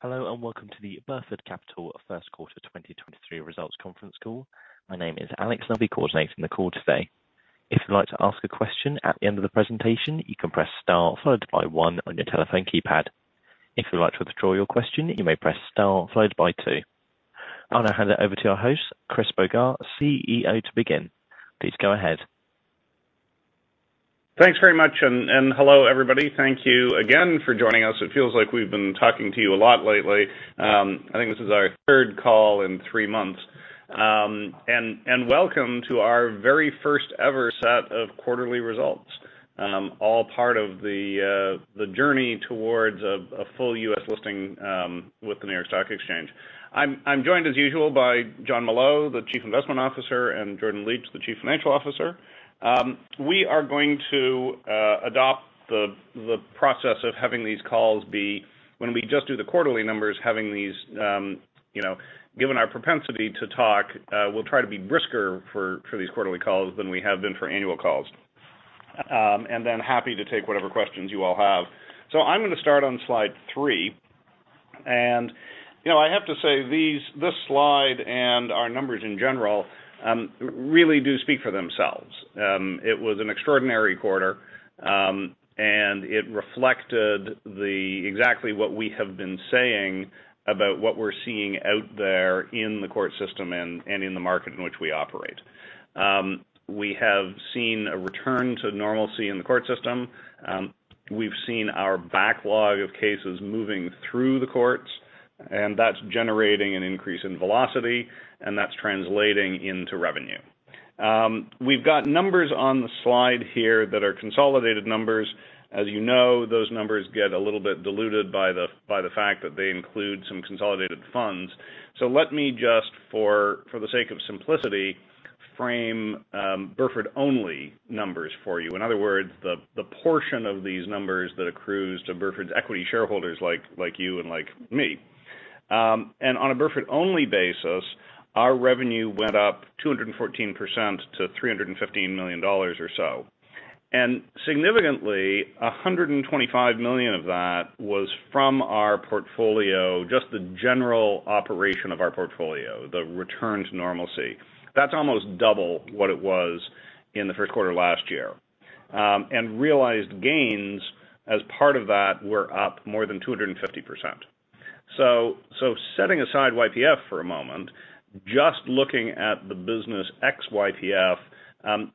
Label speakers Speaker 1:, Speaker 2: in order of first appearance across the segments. Speaker 1: Hello, welcome to the Burford Capital first quarter 2023 results conference call. My name is Alex, I'll be coordinating the call today. If you'd like to ask a question at the end of the presentation, you can press star followed by one on your telephone keypad. If you'd like to withdraw your question, you may press star followed by two. I'll now hand it over to our host, Christopher Bogart, CEO, to begin. Please go ahead.
Speaker 2: Thanks very much, and hello, everybody. Thank you again for joining us. It feels like we've been talking to you a lot lately. I think this is our third call in three months. Welcome to our very first ever set of quarterly results. All part of the journey towards a full U.S. listing with the New York Stock Exchange. I'm joined, as usual, by Jon Molot, the Chief Investment Officer, and Jordan Licht, the Chief Financial Officer. We are going to adopt the process of having these calls be when we just do the quarterly numbers, having these, you know, given our propensity to talk, we'll try to be brisker for these quarterly calls than we have been for annual calls. Happy to take whatever questions you all have. I'm gonna start on slide three, and, you know, I have to say, this slide and our numbers in general really do speak for themselves. It was an extraordinary quarter, and it reflected exactly what we have been saying about what we're seeing out there in the court system and in the market in which we operate. We have seen a return to normalcy in the court system. We've seen our backlog of cases moving through the courts, and that's generating an increase in velocity, and that's translating into revenue. We've got numbers on the slide here that are consolidated numbers. As you know, those numbers get a little bit diluted by the fact that they include some consolidated funds. Let me just, for the sake of simplicity, frame Burford-only numbers for you. In other words, the portion of these numbers that accrues to Burford's equity shareholders like you and like me. On a Burford-only basis, our revenue went up 214% to $315 million or so. Significantly, $125 million of that was from our portfolio, just the general operation of our portfolio, the return to normalcy. That's almost double what it was in the first quarter of last year. Realized gains as part of that were up more than 250%. Setting aside YPF for a moment, just looking at the business ex YPF,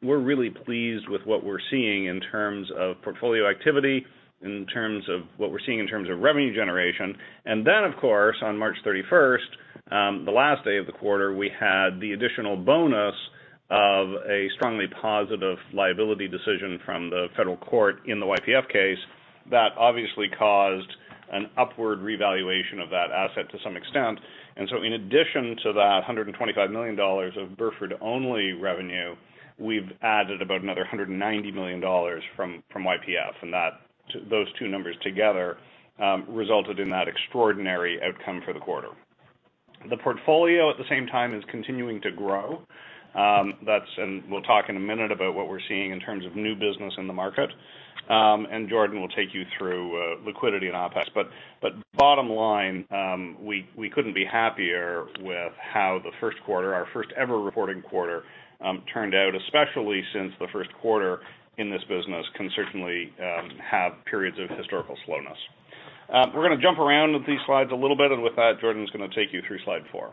Speaker 2: we're really pleased with what we're seeing in terms of portfolio activity, in terms of what we're seeing in terms of revenue generation. Of course, on March 31st, the last day of the quarter, we had the additional bonus of a strongly positive liability decision from the federal court in the YPF case. That obviously caused an upward revaluation of that asset to some extent. In addition to that $125 million of Burford-only revenue, we've added about another $190 million from YPF, those two numbers together resulted in that extraordinary outcome for the quarter. The portfolio, at the same time, is continuing to grow. We'll talk in a minute about what we're seeing in terms of new business in the market. Jordan will take you through liquidity and OpEx. Bottom line, we couldn't be happier with how the first quarter, our first ever reporting quarter, turned out, especially since the first quarter in this business can certainly, have periods of historical slowness. We're gonna jump around with these slides a little bit, and with that, Jordan is gonna take you through slide four.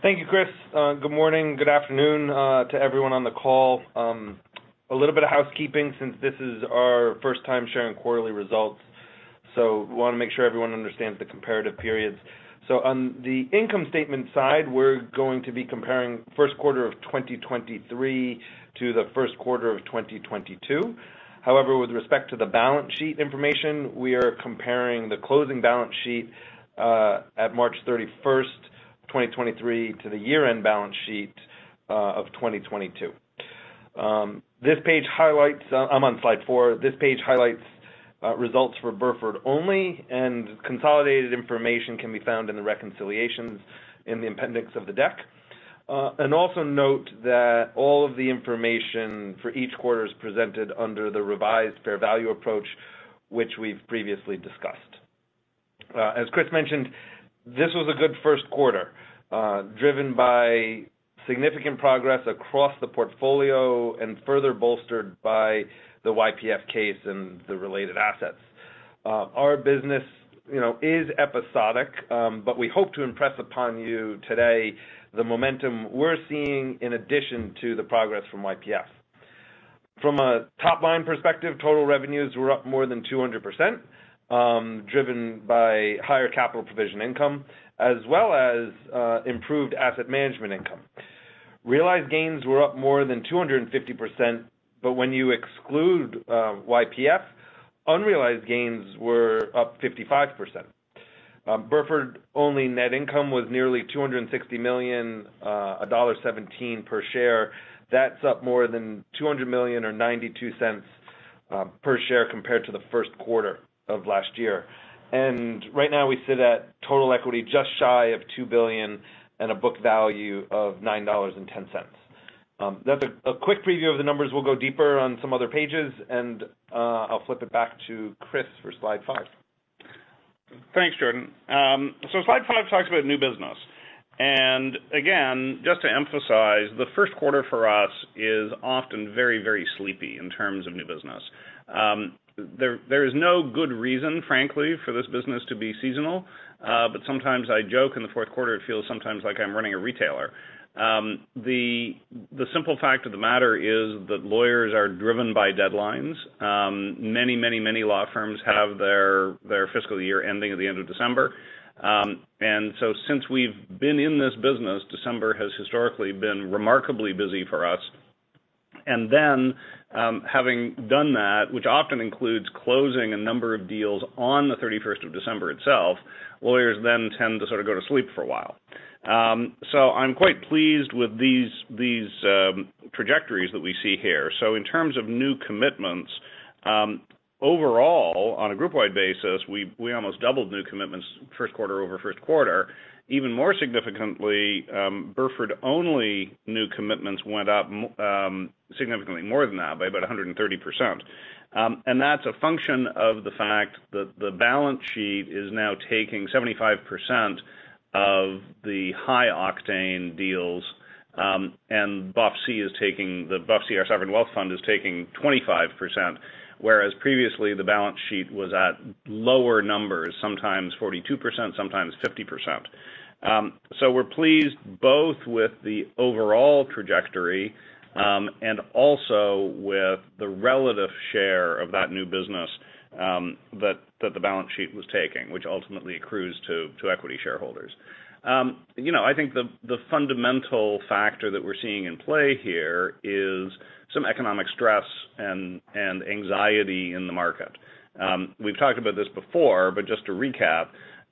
Speaker 3: Thank you, Chris. Good morning, good afternoon, to everyone on the call. A little bit of housekeeping, since this is our first time sharing quarterly results, we wanna make sure everyone understands the comparative periods. On the income statement side, we're going to be comparing first quarter of 2023 to the first quarter of 2022. With respect to the balance sheet information, we are comparing the closing balance sheet at March 31, 2023, to the year-end balance sheet of 2022. I'm on slide four. This page highlights results for Burford only, and consolidated information can be found in the reconciliations in the appendix of the deck. Also note that all of the information for each quarter is presented under the revised fair value approach, which we've previously discussed. As Chris mentioned, this was a good first quarter, driven by significant progress across the portfolio and further bolstered by the YPF case and the related assets. Our business, you know, is episodic, but we hope to impress upon you today the momentum we're seeing in addition to the progress from YPF. From a top-line perspective, total revenues were up more than 200%, driven by higher capital provision income, as well as improved asset management income. Realized gains were up more than 250%, but when you exclude YPF, unrealized gains were up 55%. Burford-only net income was nearly $260 million, $1.17 per share. That's up more than $200 million or $0.92 per share, compared to the first quarter of last year. Right now we sit at total equity, just shy of $2 billion, and a book value of $9.10. That's a quick preview of the numbers. We'll go deeper on some other pages, and I'll flip it back to Chris for slide five.
Speaker 2: Thanks, Jordan. Slide five talks about new business. Again, just to emphasize, the first quarter for us is often very, very sleepy in terms of new business. There is no good reason, frankly, for this business to be seasonal, but sometimes I joke in the fourth quarter, it feels sometimes like I'm running a retailer. The simple fact of the matter is that lawyers are driven by deadlines. Many law firms have their fiscal year ending at the end of December. Since we've been in this business, December has historically been remarkably busy for us. Then, having done that, which often includes closing a number of deals on the 31st of December itself, lawyers then tend to sort of go to sleep for a while. I'm quite pleased with these trajectories that we see here. In terms of new commitments, overall, on a group-wide basis, we almost doubled new commitments first quarter over first quarter. Even more significantly, Burford-only new commitments went up significantly more than that, by about 130%. That's a function of the fact that the balance sheet is now taking 75% of the high octane deals, and BOF-C is taking the BOF-C, our sovereign wealth fund, is taking 25%, whereas previously, the balance sheet was at lower numbers, sometimes 42%, sometimes 50%. We're pleased both with the overall trajectory, and also with the relative share of that new business that the balance sheet was taking, which ultimately accrues to equity shareholders. You know, I think the fundamental factor that we're seeing in play here is some economic stress and anxiety in the market. We've talked about this before, just to recap,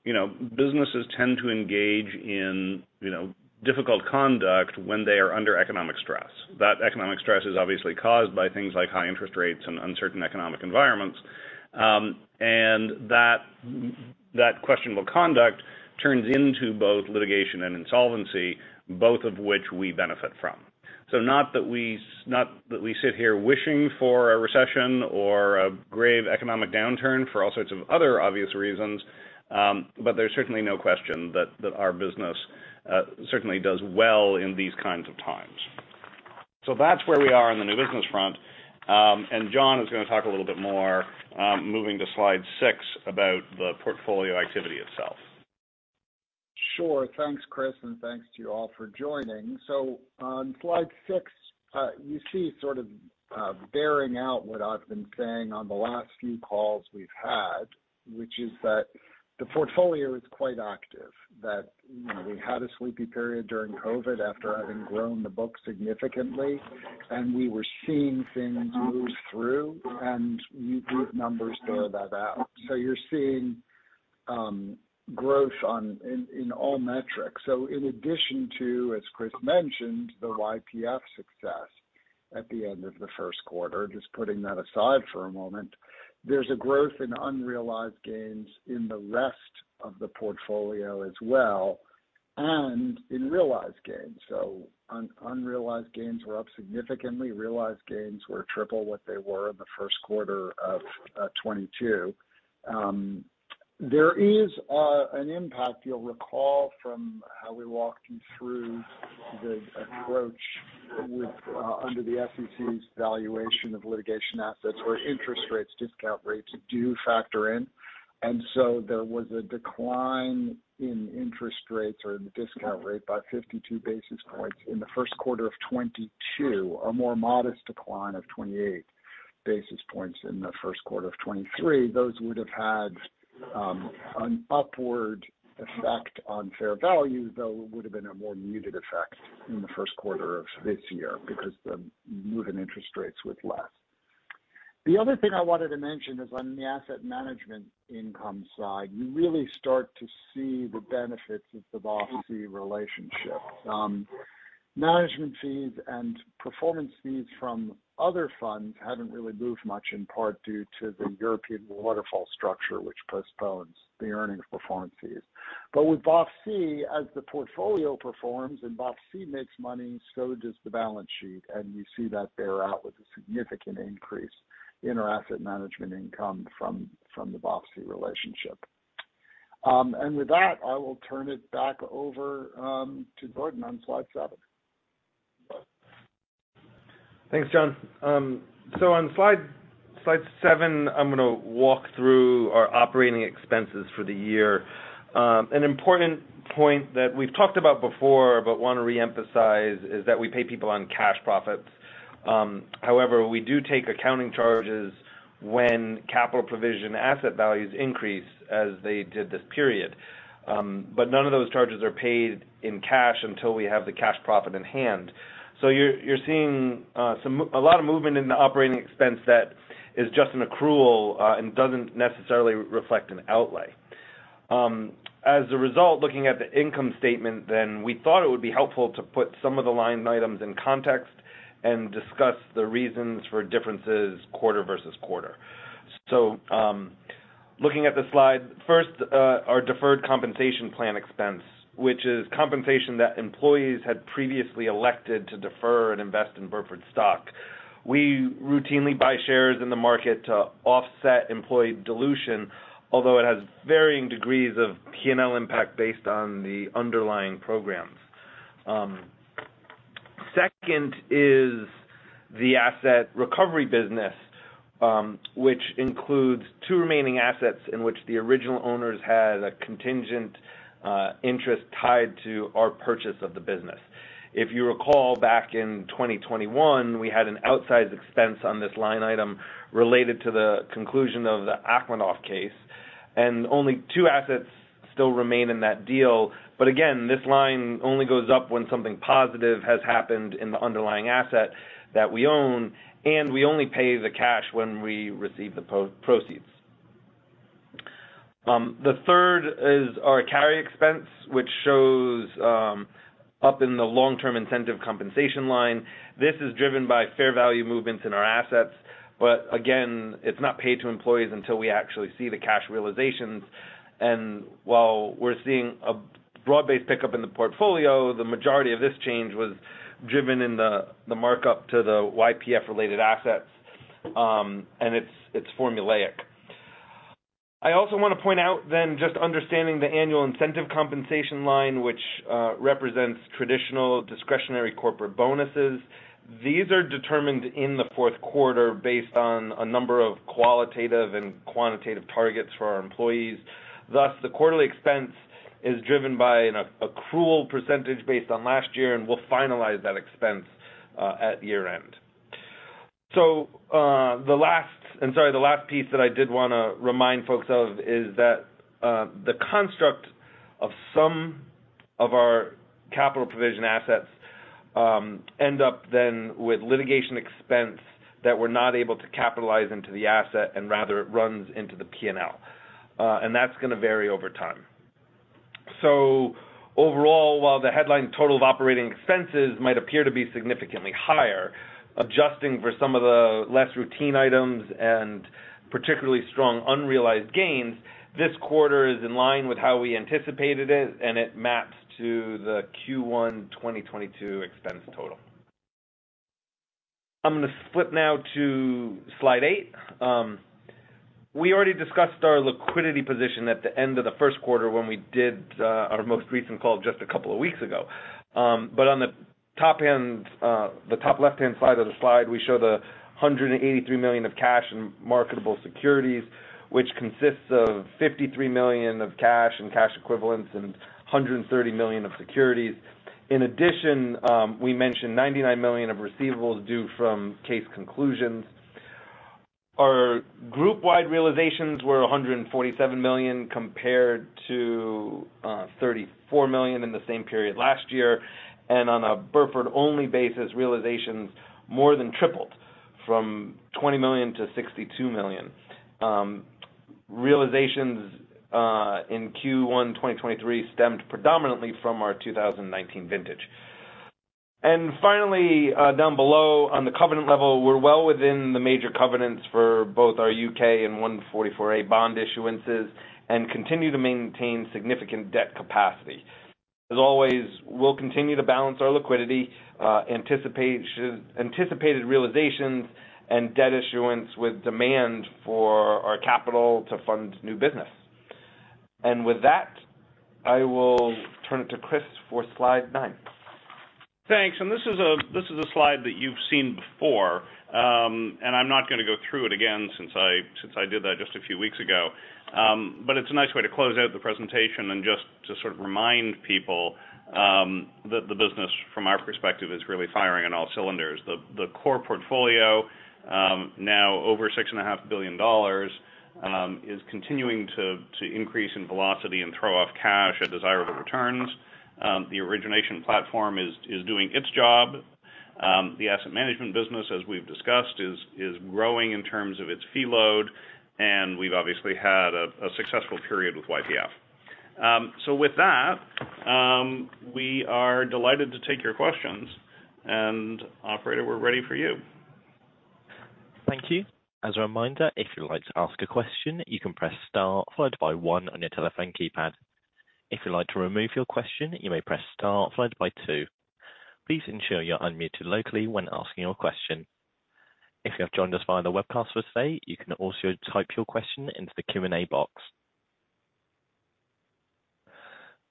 Speaker 2: you know, businesses tend to engage in, you know, difficult conduct when they are under economic stress. That economic stress is obviously caused by things like high interest rates and uncertain economic environments. That, that questionable conduct turns into both litigation and insolvency, both of which we benefit from. Not that we, not that we sit here wishing for a recession or a grave economic downturn for all sorts of other obvious reasons, but there's certainly no question that our business certainly does well in these kinds of times. That's where we are on the new business front. Jon is gonna talk a little bit more, moving to slide six, about the portfolio activity itself.
Speaker 4: Sure. Thanks, Chris, and thanks to you all for joining. On slide six, you see sort of bearing out what I've been saying on the last few calls we've had, which is that the portfolio is quite active. You know, we had a sleepy period during COVID after having grown the book significantly, and we were seeing things move through, these numbers bear that out. You're seeing growth in all metrics. In addition to, as Chris mentioned, the YPF success at the end of the first quarter, just putting that aside for a moment, there's a growth in unrealized gains in the rest of the portfolio as well, and in realized gains. Unrealized gains were up significantly, realized gains were triple what they were in the first quarter of 2022. There is an impact, you'll recall, from how we walked you through the approach with under the SEC's valuation of litigation assets, where interest rates, discount rates, do factor in. There was a decline in interest rates or in the discount rate by 52 basis points in the first quarter of 2022, a more modest decline of 28 basis points in the first quarter of 2023. Those would have had an upward effect on fair value, though it would have been a more muted effect in the first quarter of this year because the move in interest rates was less. The other thing I wanted to mention is on the asset management income side, you really start to see the benefits of the BOF-C relationship. Management fees and performance fees from other funds haven't really moved much, in part due to the European waterfall structure, which postpones the earnings performance fees. With BOF-C, as the portfolio performs and BOF-C makes money, so does the balance sheet, and you see that bear out with a significant increase in our asset management income from the BOF-C relationship. With that, I will turn it back over to Jordan on slide seven.
Speaker 3: Thanks, John. On slide seven, I'm gonna walk through our operating expenses for the year. An important point that we've talked about before, but want to reemphasize, is that we pay people on cash profits. However, we do take accounting charges when capital provision asset values increase, as they did this period. None of those charges are paid in cash until we have the cash profit in hand. You're seeing a lot of movement in the operating expense that is just an accrual and doesn't necessarily reflect an outlay. As a result, looking at the income statement then, we thought it would be helpful to put some of the line items in context and discuss the reasons for differences quarter versus quarter. Looking at the slide, first, our deferred compensation plan expense, which is compensation that employees had previously elected to defer and invest in Burford stock. We routinely buy shares in the market to offset employee dilution, although it has varying degrees of P&L impact based on the underlying programs. Second is the Asset Recovery business, which includes two remaining assets in which the original owners had a contingent interest tied to our purchase of the business. If you recall, back in 2021, we had an outsized expense on this line item related to the conclusion of the Akhmedov case, and only two assets still remain in that deal. Again, this line only goes up when something positive has happened in the underlying asset that we own, and we only pay the cash when we receive the proceeds. The third is our carry expense, which shows up in the long-term incentive compensation line. This is driven by fair value movements in our assets. Again, it's not paid to employees until we actually see the cash realizations. While we're seeing a broad-based pickup in the portfolio, the majority of this change was driven in the markup to the YPF related assets, and it's formulaic. I also want to point out then, just understanding the annual incentive compensation line, which represents traditional discretionary corporate bonuses. These are determined in the fourth quarter based on a number of qualitative and quantitative targets for our employees. Thus, the quarterly expense is driven by an accrual percentage based on last year, and we'll finalize that expense at year-end. The last ... I'm sorry, the last piece that I did want to remind folks of is that the construct of some of our capital provision assets end up then with litigation expense that we're not able to capitalize into the asset, and rather it runs into the P&L, and that's going to vary over time. Overall, while the headline total of operating expenses might appear to be significantly higher, adjusting for some of the less routine items and particularly strong unrealized gains, this quarter is in line with how we anticipated it, and it maps to the Q1 2022 expense total. I'm going to flip now to slide eight. We already discussed our liquidity position at the end of the first quarter when we did our most recent call just a couple of weeks ago. On the top end, the top left-hand side of the slide, we show the $183 million of cash and marketable securities, which consists of $53 million of cash and cash equivalents and $130 million of securities. In addition, we mentioned $99 million of receivables due from case conclusions. Our group-wide realizations were $147 million, compared to $34 million in the same period last year, and on a Burford-only basis, realizations more than tripled from $20 million to $62 million. Realizations in Q1 2023 stemmed predominantly from our 2019 vintage. Finally, down below, on the covenant level, we're well within the major covenants for both our U.K. and 144A bond issuances, and continue to maintain significant debt capacity. As always, we'll continue to balance our liquidity, anticipated realizations and debt issuance with demand for our capital to fund new business. With that, I will turn it to Chris for slide nine.
Speaker 2: Thanks. This is a slide that you've seen before, and I'm not going to go through it again since I did that just a few weeks ago. It's a nice way to close out the presentation and just to sort of remind people that the business, from our perspective, is really firing on all cylinders. The core portfolio, now over $6.5 billion, is continuing to increase in velocity and throw off cash at desirable returns. The origination platform is doing its job. The asset management business, as we've discussed, is growing in terms of its fee load, and we've obviously had a successful period with YPF. With that, we are delighted to take your questions. Operator, we're ready for you.
Speaker 1: Thank you. As a reminder, if you'd like to ask a question, you can press star, followed by one on your telephone keypad. If you'd like to remove your question, you may press star followed by two. Please ensure you're unmuted locally when asking your question. If you have joined us via the webcast for today, you can also type your question into the Q&A box.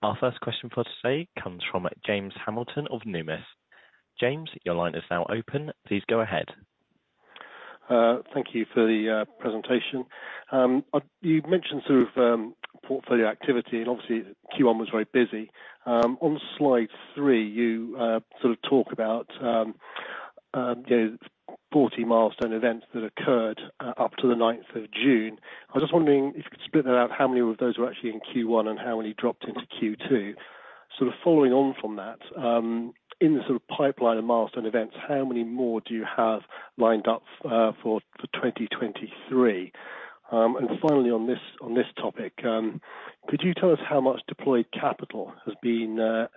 Speaker 1: Our first question for today comes from James Hamilton of Numis. James, your line is now open. Please go ahead.
Speaker 5: Thank you for the presentation. You mentioned sort of portfolio activity, and obviously, Q1 was very busy. On slide three, you sort of talk about, you know, 40 milestone events that occurred up to the 9th of June. I was just wondering if you could split that out, how many of those were actually in Q1 and how many dropped into Q2? Sort of following on from that, in the sort of pipeline of milestone events, how many more do you have lined up for 2023? Finally, on this topic, Could you tell us how much deployed capital has been,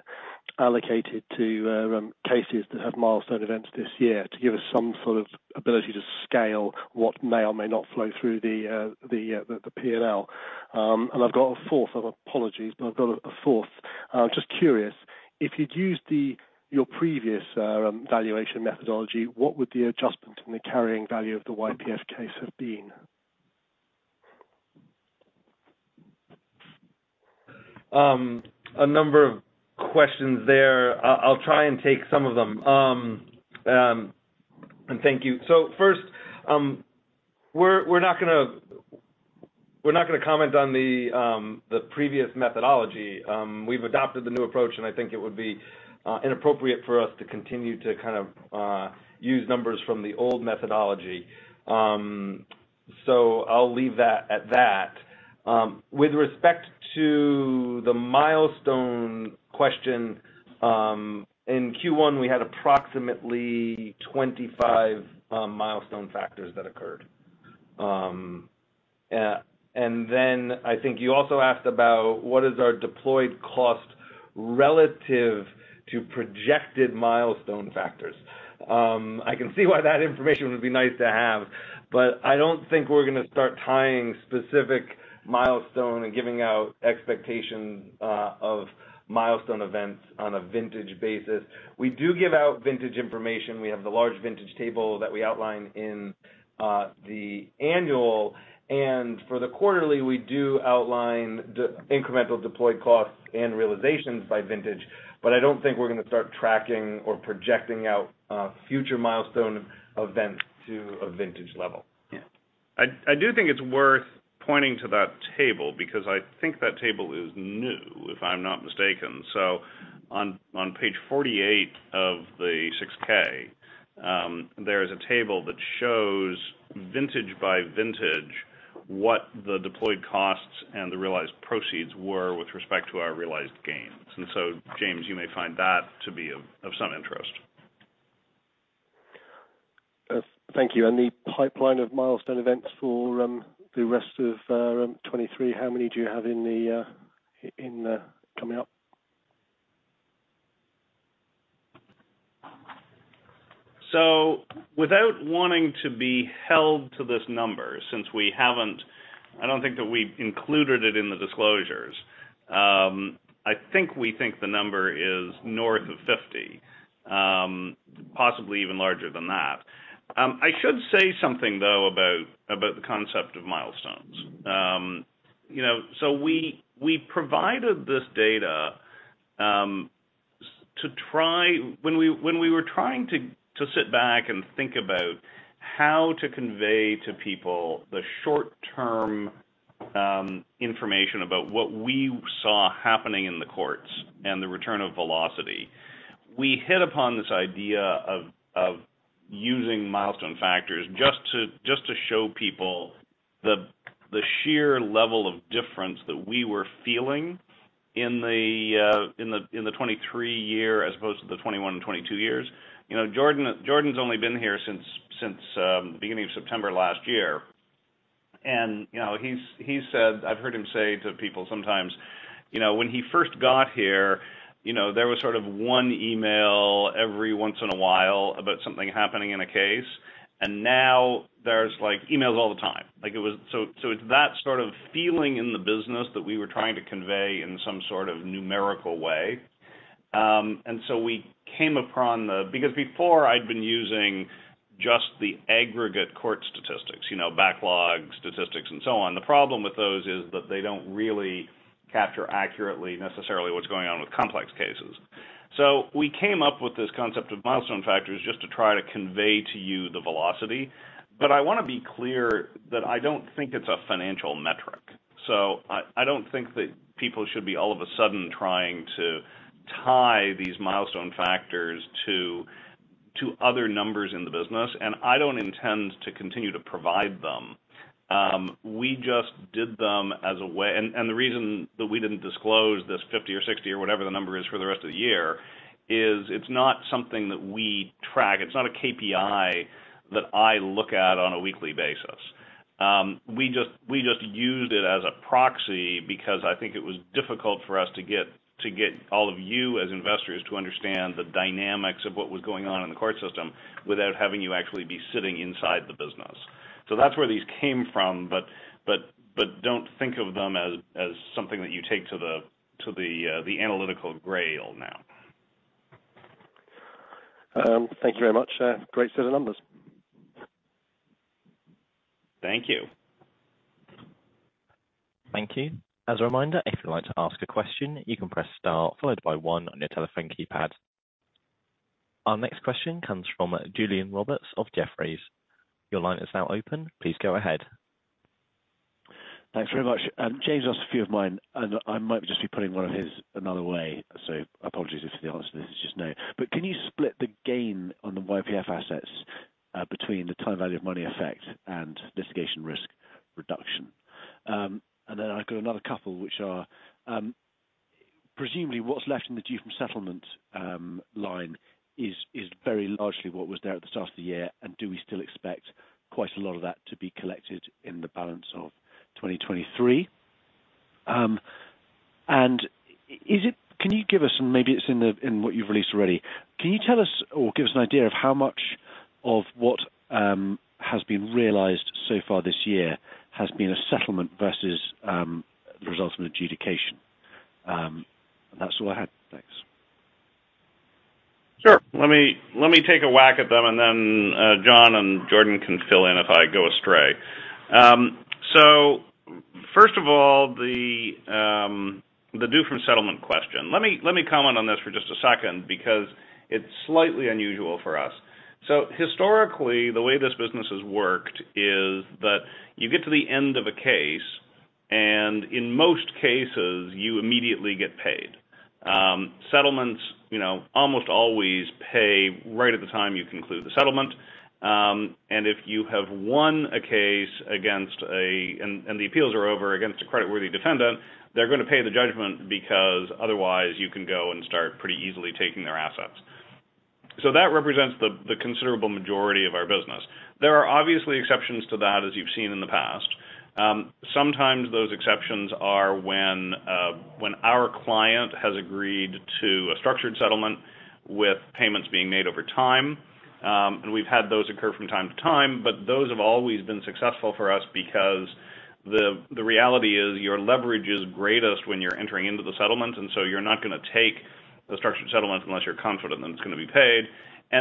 Speaker 5: allocated to cases that have milestone events this year, to give us some sort of ability to scale what may or may not flow through the the the P&L? I've got a fourth. Apologies, but I've got a fourth. I'm just curious, if you'd used your previous valuation methodology, what would the adjustment in the carrying value of the YPF case have been?
Speaker 3: A number of questions there. I'll try and take some of them. Thank you. First, we're not gonna comment on the previous methodology. We've adopted the new approach, and I think it would be inappropriate for us to continue to kind of use numbers from the old methodology. I'll leave that at that. With respect to the milestone question, in Q1, we had approximately 25 milestone factors that occurred. I think you also asked about what is our deployed cost relative to projected milestone factors. I can see why that information would be nice to have, but I don't think we're gonna start tying specific milestone and giving out expectations of milestone events on a vintage basis. We do give out vintage information. We have the large vintage table that we outline in, the annual, and for the quarterly, we do outline the incremental deployed costs and realizations by vintage, but I don't think we're gonna start tracking or projecting out, future milestone events to a vintage level.
Speaker 2: Yeah. I do think it's worth pointing to that table because I think that table is new, if I'm not mistaken. On, on page 48 of the 6-K, there is a table that shows vintage by vintage, what the deployed costs and the realized proceeds were with respect to our realized gains. James, you may find that to be of some interest.
Speaker 5: Thank you. The pipeline of milestone events for the rest of 23, how many do you have in the in coming up?
Speaker 2: Without wanting to be held to this number, since I don't think that we've included it in the disclosures. I think we think the number is north of 50, possibly even larger than that. I should say something, though, about the concept of milestones. You know, we provided this data when we were trying to sit back and think about how to convey to people the short-term information about what we saw happening in the courts and the return of velocity. We hit upon this idea of using milestone factors to show people the sheer level of difference that we were feeling in the 23 year, as opposed to the 21 and 22 years. You know, Jordan's only been here since the beginning of September last year. You know, he's said I've heard him say to people sometimes, you know, when he first got here, you know, there was sort of one email every once in a while about something happening in a case, and now there's, like, emails all the time. Like, it's that sort of feeling in the business that we were trying to convey in some sort of numerical way. We came upon the because before I'd been using just the aggregate court statistics, you know, backlog statistics and so on. The problem with those is that they don't really capture accurately, necessarily, what's going on with complex cases. We came up with this concept of milestone factors just to try to convey to you the velocity. I want to be clear that I don't think it's a financial metric. I don't think that people should be all of a sudden trying to tie these milestone factors to other numbers in the business, and I don't intend to continue to provide them. The reason that we didn't disclose this 50 or 60 or whatever the number is for the rest of the year, is it's not something that we track. It's not a KPI that I look at on a weekly basis. We just used it as a proxy because I think it was difficult for us to get all of you as investors to understand the dynamics of what was going on in the court system without having you actually be sitting inside the business. That's where these came from, but don't think of them as something that you take to the analytical grail now.
Speaker 5: Thank you very much. Great set of numbers.
Speaker 2: Thank you.
Speaker 1: Thank you. As a reminder, if you'd like to ask a question, you can press star followed by one on your telephone keypad. Our next question comes from Julian Roberts of Jefferies. Your line is now open. Please go ahead.
Speaker 6: Thanks very much. James asked a few of mine, and I might just be putting one of his another way, so apologies if the answer to this is just no. Can you split the gain on the YPF assets, between the time value of money effect and litigation risk reduction? I've got another couple, which are.... presumably what's left in the due-from-settlement line is very largely what was there at the start of the year. Do we still expect quite a lot of that to be collected in the balance of 2023? Can you give us, and maybe it's in the, in what you've released already, can you tell us or give us an idea of how much of what has been realized so far this year has been a settlement versus the results of adjudication? That's all I had. Thanks.
Speaker 2: Sure. Let me take a whack at them, and then John and Jordan can fill in if I go astray. First of all, the due-from-settlement question. Let me comment on this for just a second because it's slightly unusual for us. Historically, the way this business has worked is that you get to the end of a case, and in most cases, you immediately get paid. Settlements, you know, almost always pay right at the time you conclude the settlement. And if you have won a case against a... and the appeals are over against a creditworthy defendant, they're gonna pay the judgment because otherwise you can go and start pretty easily taking their assets. That represents the considerable majority of our business. There are obviously exceptions to that, as you've seen in the past. Sometimes those exceptions are when our client has agreed to a structured settlement with payments being made over time. We've had those occur from time to time, but those have always been successful for us because the reality is your leverage is greatest when you're entering into the settlement, and so you're not gonna take the structured settlement unless you're confident that it's gonna be paid.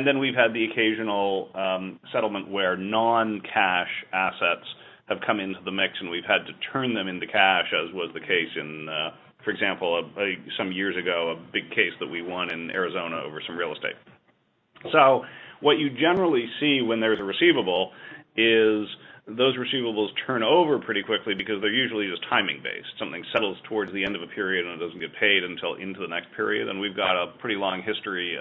Speaker 2: Then we've had the occasional settlement where non-cash assets have come into the mix, and we've had to turn them into cash, as was the case in, for example, some years ago, a big case that we won in Arizona over some real estate. What you generally see when there's a receivable is those receivables turn over pretty quickly because they're usually just timing-based. Something settles towards the end of a period. It doesn't get paid until into the next period. We've got a pretty long history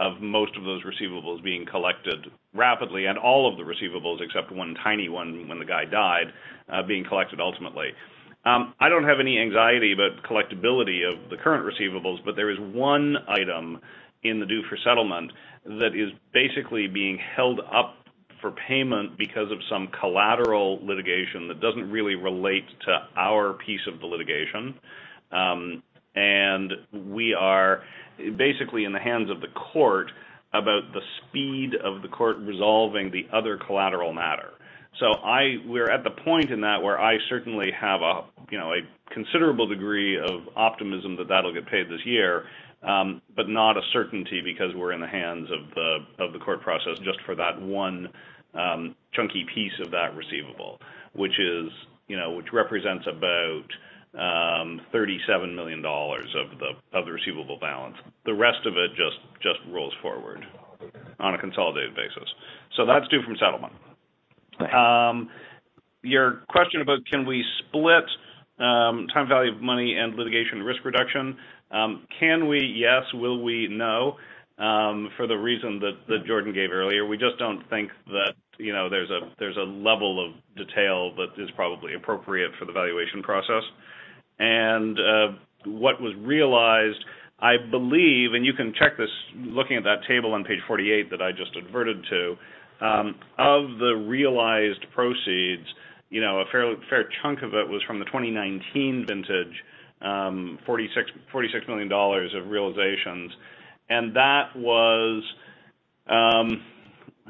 Speaker 2: of most of those receivables being collected rapidly, and all of the receivables, except one tiny one, when the guy died, being collected ultimately. I don't have any anxiety about collectability of the current receivables, but there is one item in the due for settlement that is basically being held up for payment because of some collateral litigation that doesn't really relate to our piece of the litigation. We are basically in the hands of the court about the speed of the court resolving the other collateral matter. We're at the point in that where I certainly have a, you know, a considerable degree of optimism that that'll get paid this year, but not a certainty because we're in the hands of the court process just for that one, chunky piece of that receivable, which is, you know, which represents about $37 million of the receivable balance. The rest of it just rolls forward on a consolidated basis. That's due from settlement.
Speaker 6: Right.
Speaker 2: Your question about can we split, time value of money and litigation risk reduction? Can we? Yes. Will we? No. For the reason that Jordan gave earlier, we just don't think that, you know, there's a level of detail that is probably appropriate for the valuation process. What was realized, I believe, and you can check this, looking at that table on page 48 that I just adverted to, of the realized proceeds, you know, a fairly, fair chunk of it was from the 2019 vintage, $46 million of realizations. That was.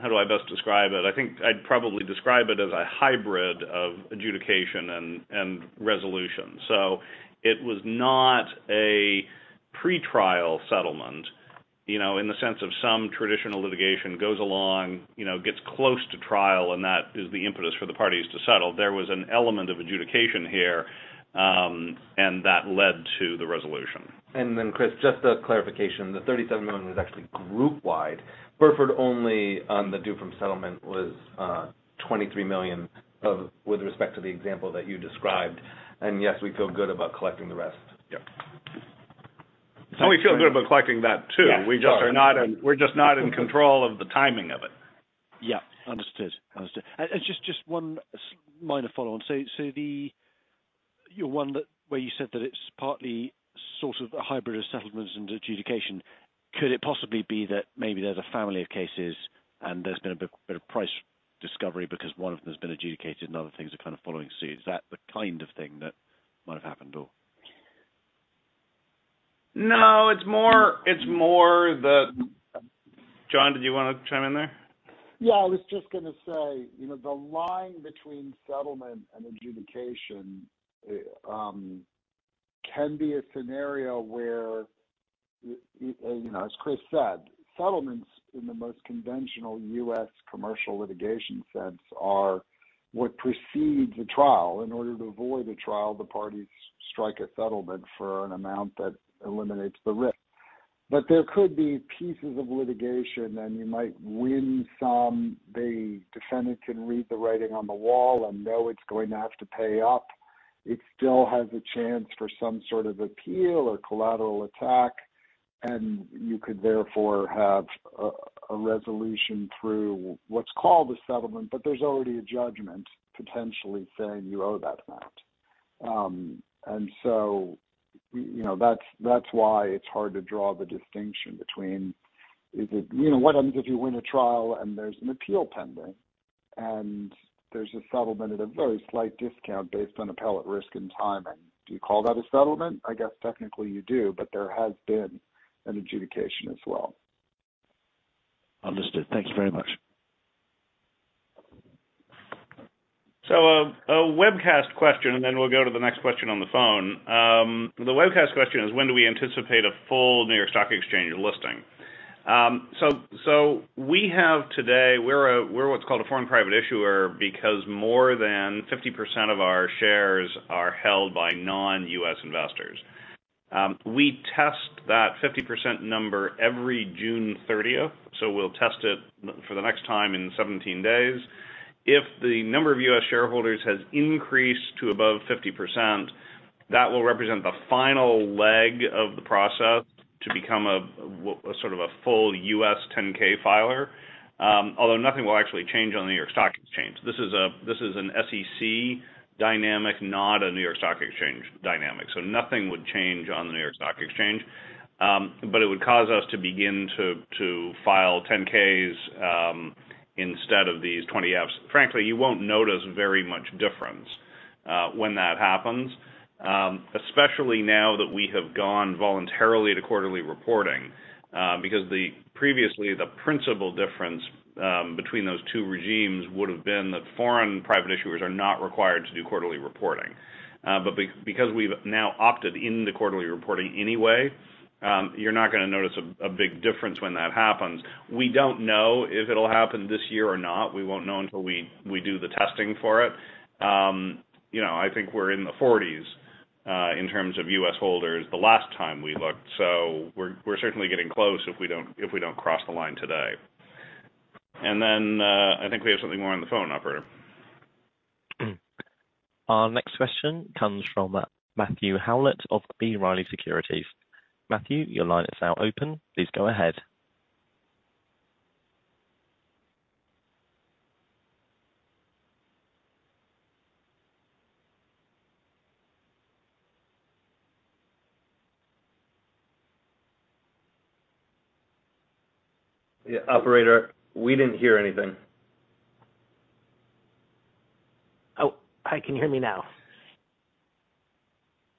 Speaker 2: How do I best describe it? I think I'd probably describe it as a hybrid of adjudication and resolution. It was not a pretrial settlement, you know, in the sense of some traditional litigation goes along, you know, gets close to trial, and that is the impetus for the parties to settle. There was an element of adjudication here, and that led to the resolution.
Speaker 3: Chris, just a clarification. The $37 million is actually group-wide. Burford only on the due from settlement was, $23 million of with respect to the example that you described. Yes, we feel good about collecting the rest.
Speaker 2: Yeah. We feel good about collecting that, too.
Speaker 3: Yeah.
Speaker 2: We're just not in control of the timing of it.
Speaker 6: Yeah. Understood. Understood. Just one minor follow-on. The, your one that, where you said that it's partly sort of a hybrid of settlements and adjudication, could it possibly be that maybe there's a family of cases and there's been a bit of price discovery because one of them has been adjudicated and other things are kind of following suit? Is that the kind of thing that might have happened or?
Speaker 2: No, it's more, it's more the... Jon, did you want to chime in there?
Speaker 4: Yeah, I was just gonna say, you know, the line between settlement and adjudication can be a scenario where, you know, as Chris said, settlements in the most conventional U.S. commercial litigation sense are what precedes a trial. In order to avoid a trial, the parties strike a settlement for an amount that eliminates the risk. There could be pieces of litigation, and you might win some. The defendant can read the writing on the wall and know it's going to have to pay up. It still has a chance for some sort of appeal or collateral attack. You could therefore have a resolution through what's called a settlement, but there's already a judgment potentially saying you owe that amount. You know, that's why it's hard to draw the distinction between, You know, what happens if you win a trial and there's an appeal pending, and there's a settlement at a very slight discount based on appellate risk and timing? Do you call that a settlement? I guess, technically you do, but there has been an adjudication as well.
Speaker 6: Understood. Thanks very much.
Speaker 2: A webcast question, and then we'll go to the next question on the phone. The webcast question is: When do we anticipate a full New York Stock Exchange listing? We have today, we're what's called a foreign private issuer because more than 50% of our shares are held by non-U.S. investors. We test that 50% number every June 30th, so we'll test it for the next time in 17 days. If the number of U.S. shareholders has increased to above 50%, that will represent the final leg of the process to become a sort of a full U.S. 10-K filer. Although nothing will actually change on the New York Stock Exchange. This is an SEC dynamic, not a New York Stock Exchange dynamic. Nothing would change on the New York Stock Exchange, but it would cause us to begin to file 10-Ks, instead of these 20-Fs. Frankly, you won't notice very much difference when that happens, especially now that we have gone voluntarily to quarterly reporting, because the previously, the principal difference between those two regimes would have been that foreign private issuers are not required to do quarterly reporting. Because we've now opted in the quarterly reporting anyway, you're not gonna notice a big difference when that happens. We don't know if it'll happen this year or not. We won't know until we do the testing for it. You know, I think we're in the 40s, in terms of U.S. holders, the last time we looked. We're certainly getting close if we don't cross the line today. I think we have something more on the phone, operator.
Speaker 1: Our next question comes from Matthew Howlett of B. Riley Securities. Matthew, your line is now open. Please go ahead.
Speaker 2: Yeah, operator, we didn't hear anything.
Speaker 7: Oh, hi, can you hear me now?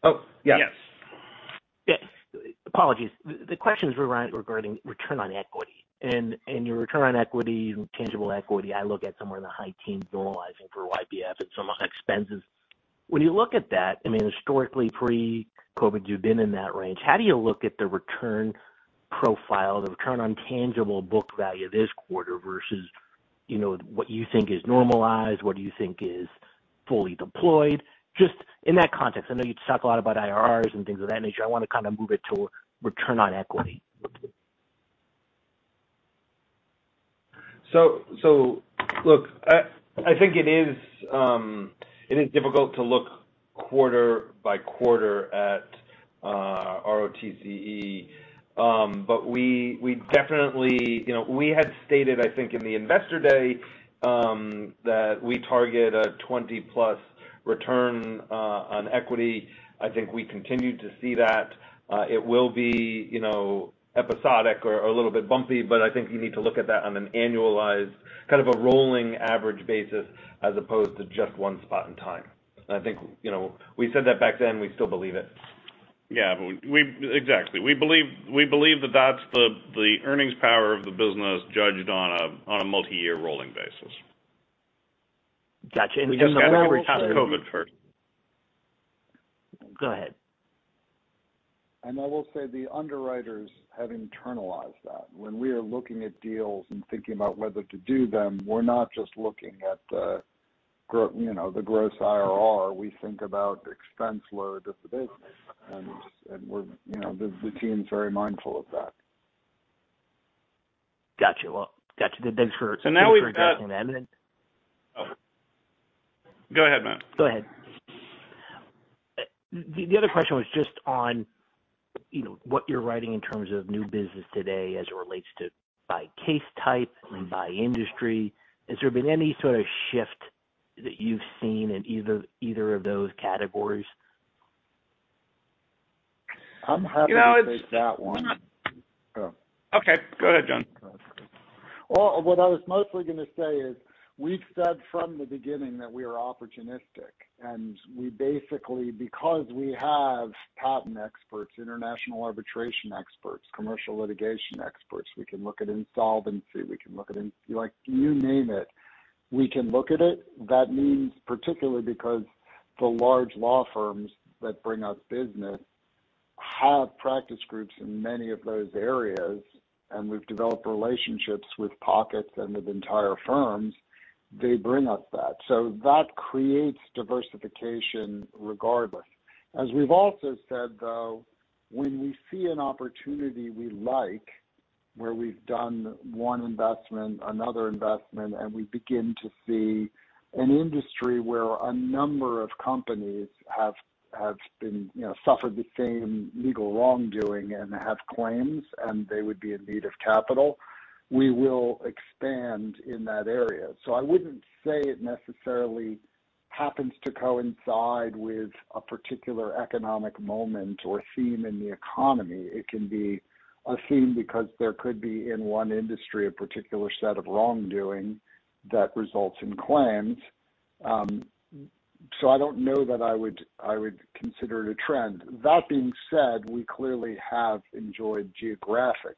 Speaker 2: Oh, yes.
Speaker 7: Yeah. Apologies. The question is regarding return on equity. Your return on equity and tangible equity, I look at somewhere in the high teens, normalizing for YPF and some expenses. When you look at that, I mean, historically, pre-COVID, you've been in that range, how do you look at the return profile, the return on tangible book value this quarter versus, you know, what you think is normalized, what you think is fully deployed? Just in that context. I know you talk a lot about IRRs and things of that nature. I want to kind of move it to return on equity.
Speaker 4: Look, I think it is difficult to look quarter by quarter at ROTCE. We definitely. You know, we had stated, I think in the Investor Day, that we target a 20%+ return on equity. I think we continue to see that. It will be, you know, episodic or a little bit bumpy, but I think you need to look at that on an annualized, kind of a rolling average basis, as opposed to just one spot in time. I think, you know, we said that back then, we still believe it.
Speaker 2: Yeah, exactly. We believe that that's the earnings power of the business, judged on a multi-year rolling basis.
Speaker 7: Got you.
Speaker 2: COVID first.
Speaker 7: Go ahead.
Speaker 4: I will say the underwriters have internalized that. When we are looking at deals and thinking about whether to do them, we're not just looking at the you know, the gross IRR. We think about expense load of the business, and we're, you know, the team's very mindful of that.
Speaker 7: Got you. Well, got you.
Speaker 2: Now we've.
Speaker 7: And then-
Speaker 2: Go ahead, Matt.
Speaker 7: Go ahead. The other question was just on, you know, what you're writing in terms of new business today as it relates to by case type, by industry. Has there been any sort of shift that you've seen in either of those categories?
Speaker 4: I'm happy to take that one.
Speaker 2: You know.
Speaker 4: Oh.
Speaker 2: Okay, go ahead, Jon.
Speaker 4: What I was mostly going to say is, we've said from the beginning that we are opportunistic, we basically, because we have patent experts, international arbitration experts, commercial litigation experts, we can look at insolvency, we can look at like, you name it, we can look at it. That means particularly because the large law firms that bring us business have practice groups in many of those areas, we've developed relationships with pockets and with entire firms, they bring us that. That creates diversification regardless. As we've also said, though, when we see an opportunity we like, where we've done one investment, another investment, we begin to see an industry where a number of companies have been, you know, suffered the same legal wrongdoing and have claims, they would be in need of capital, we will expand in that area. I wouldn't say it necessarily happens to coincide with a particular economic moment or theme in the economy. It can be a theme because there could be, in one industry, a particular set of wrongdoing that results in claims. I don't know that I would, I would consider it a trend. That being said, we clearly have enjoyed geographic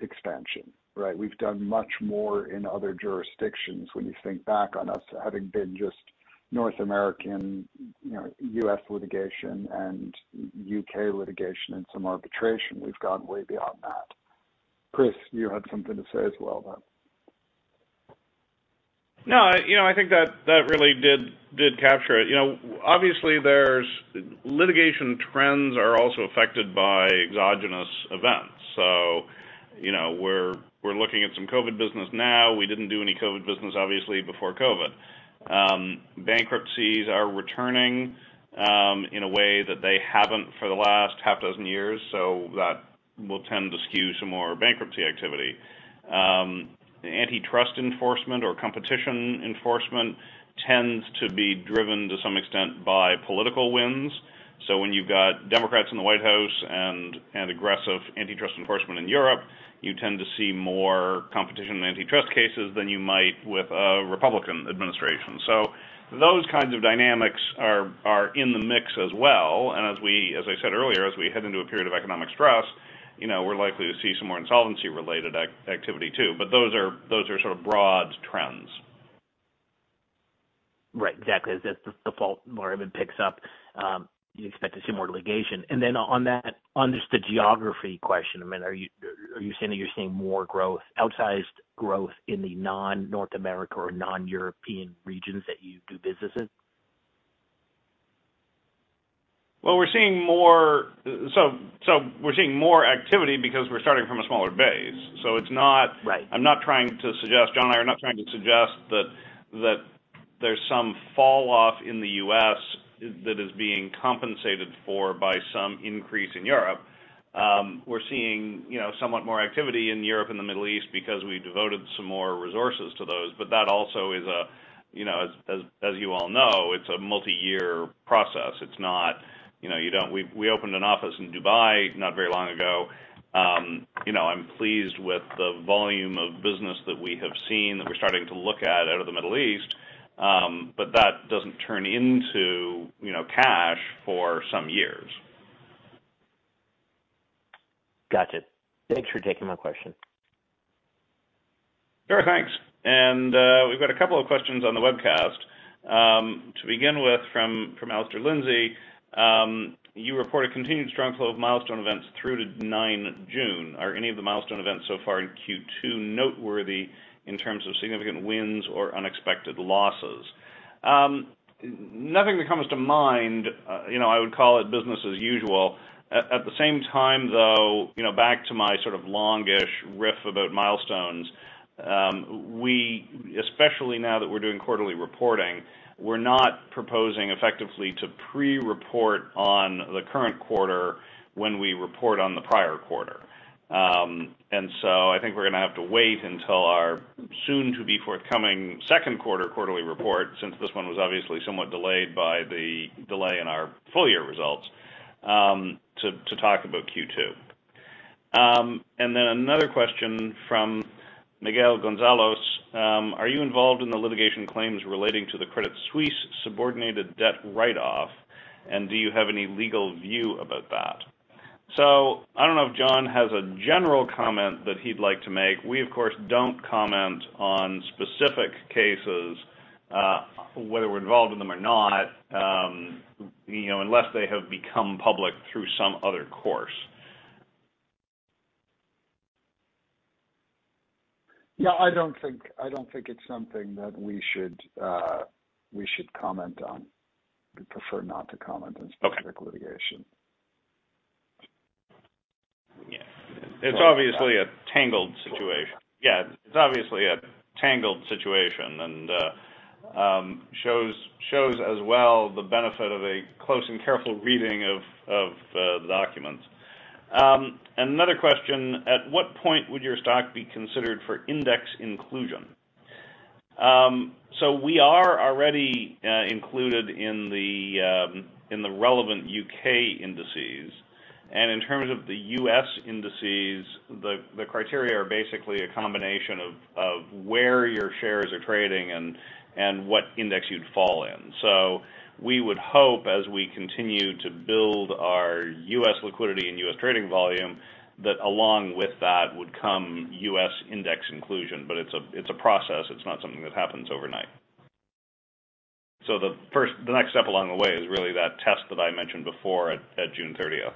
Speaker 4: expansion, right? We've done much more in other jurisdictions when you think back on us having been just North American, you know, U.S. litigation and U.K. litigation and some arbitration. We've gone way beyond that. Chris, you had something to say as well then.
Speaker 2: You know, I think that really did capture it. You know, obviously, litigation trends are also affected by exogenous events. You know, we're looking at some COVID business now. We didn't do any COVID business, obviously, before COVID. Bankruptcies are returning in a way that they haven't for the last half dozen years, that will tend to skew some more bankruptcy activity. Antitrust enforcement or competition enforcement tends to be driven to some extent by political winds. When you've got Democrats in the White House and aggressive antitrust enforcement in Europe, you tend to see more competition and antitrust cases than you might with a Republican administration. Those kinds of dynamics are in the mix as well, and as I said earlier, as we head into a period of economic stress, you know, we're likely to see some more insolvency-related activity too, but those are sort of broad trends.
Speaker 7: Right, exactly. As the default market picks up, you expect to see more litigation. Then on that, on just the geography question, I mean, are you, are you saying that you're seeing more growth, outsized growth in the non-North America or non-European regions that you do business in?
Speaker 2: We're seeing more activity because we're starting from a smaller base. it's
Speaker 7: Right.
Speaker 2: I'm not trying to suggest, John and I are not trying to suggest that there's some falloff in the U.S., that is being compensated for by some increase in Europe. We're seeing, you know, somewhat more activity in Europe and the Middle East because we devoted some more resources to those. That also is a, you know, as you all know, it's a multi-year process. It's not, you know, we opened an office in Dubai not very long ago. I'm pleased with the volume of business that we have seen, that we're starting to look at out of the Middle East. That doesn't turn into, you know, cash for some years.
Speaker 7: Gotcha. Thanks for taking my question.
Speaker 2: Sure, thanks. We've got a couple of questions on the webcast. To begin with, from Alastair Lindsay, you report a continued strong flow of milestone events through to 9 June. Are any of the milestone events so far in Q2 noteworthy in terms of significant wins or unexpected losses? Nothing that comes to mind, you know, I would call it business as usual. At the same time, though, you know, back to my sort of longish riff about milestones, we, especially now that we're doing quarterly reporting, we're not proposing effectively to pre-report on the current quarter when we report on the prior quarter. I think we're gonna have to wait until our soon-to-be forthcoming second quarter quarterly report, since this one was obviously somewhat delayed by the delay in our full-year results, to talk about Q2. Another question from Miguel Gonzalez: Are you involved in the litigation claims relating to the Credit Suisse subordinated debt write-off, and do you have any legal view about that? I don't know if John has a general comment that he'd like to make. We, of course, don't comment on specific cases, whether we're involved in them or not, you know, unless they have become public through some other course.
Speaker 4: Yeah, I don't think it's something that we should comment on. We prefer not to comment.
Speaker 2: Okay
Speaker 4: specific litigation.
Speaker 2: Yeah. It's obviously a tangled situation. Yeah, it's obviously a tangled situation and shows as well the benefit of a close and careful reading of the documents. Another question: At what point would your stock be considered for index inclusion? We are already included in the relevant U.K. indices. In terms of the U.S. indices, the criteria are basically a combination of where your shares are trading and what index you'd fall in. We would hope, as we continue to build our U.S. liquidity and U.S. trading volume, that along with that would come U.S. index inclusion. It's a process. It's not something that happens overnight. The next step along the way is really that test that I mentioned before at June 30th.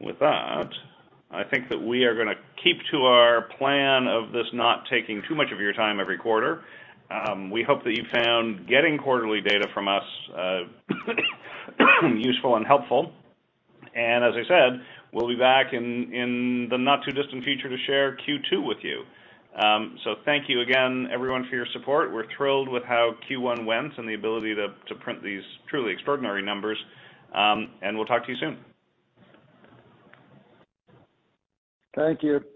Speaker 2: With that, I think that we are gonna keep to our plan of this not taking too much of your time every quarter. We hope that you found getting quarterly data from us useful and helpful. As I said, we'll be back in the not-too-distant future to share Q2 with you. Thank you again, everyone, for your support. We're thrilled with how Q1 went and the ability to print these truly extraordinary numbers, and we'll talk to you soon.
Speaker 4: Thank you.